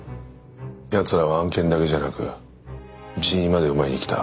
ヤツらは案件だけじゃなく人員まで奪いに来た。